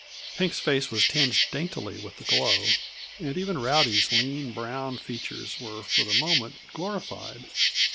Pink's face was tinged daintily with the glow, and even Rowdy's lean, brown features were for the moment glorified.